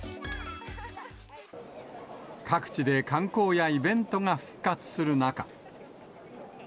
各地で観光やイベントが復活する中。